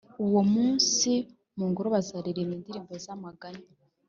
uwo munsi mu ngoro bazaririmba indirimbo z’amaganya,